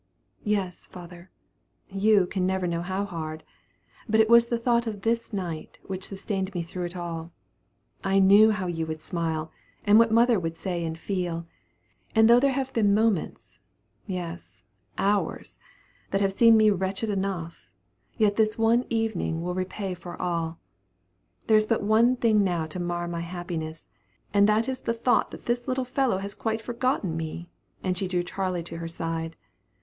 "Yes, father, you can never know how hard; but it was the thought of this night which sustained me through it all. I knew how you would smile, and what my mother would say and feel; and though there have been moments, yes, hours, that have seen me wretched enough, yet this one evening will repay for all. There is but one thing now to mar my happiness, and that is the thought that this little fellow has quite forgotten me;" and she drew Charley to her side.